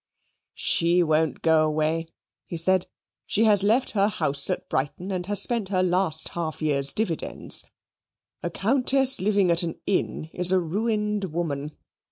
"She won't go away," he said. "She has let her house at Brighton and has spent her last half year's dividends. A Countess living at an inn is a ruined woman.